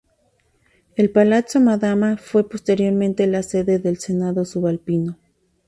El Palazzo Madama fue posteriormente la sede del Senado Subalpino.